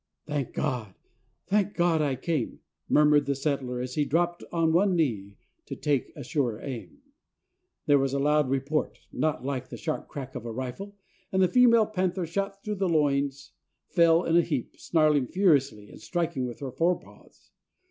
"Thank God! Thank God I came!" murmured the settler, as he dropped on one knee to take a surer aim. There was a loud report (not like the sharp crack of a rifle), and the female panther, shot through the loins, fell in a heap, snarling furiously and striking with her fore paws.